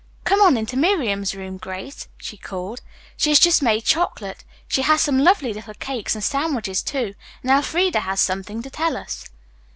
"Come on into Miriam's room, Grace," she called. "She has just made chocolate. She has some lovely little cakes and sandwiches, too. And Elfreda has something to tell us."